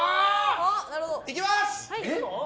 いきます！